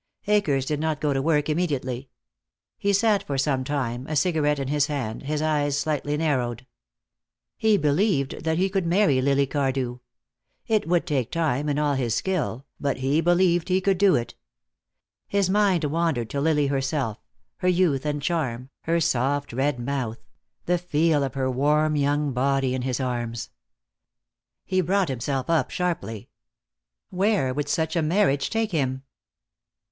Akers did not go to work immediately. He sat for some time, a cigarette in his hand, his eyes slightly narrowed. He believed that he could marry Lily Cardew. It would take time and all his skill, but he believed he could do it. His mind wandered to Lily herself, her youth and charm, her soft red mouth, the feel of her warm young body in his arms. He brought himself up sharply. Where would such a marriage take him?